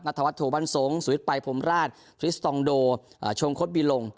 นัทวัตถูบันโสงสุวิตไปพรมราชธรีชทองโดอ่าชงคสบิลง